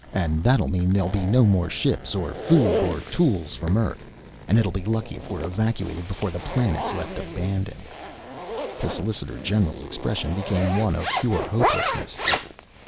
And that'll mean there'll be no more ships or food or tools from Earth, and it'll be lucky if we're evacuated before the planet's left abandoned." The solicitor general's expression became one of pure hopelessness.